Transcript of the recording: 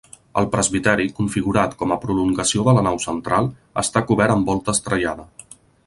El presbiteri, configurat com a prolongació de la nau central, està cobert amb volta estrellada.